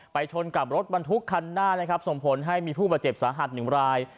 ชนกับรถบรรทุกคันหน้านะครับส่งผลให้มีผู้บาดเจ็บสาหัสหนึ่งราย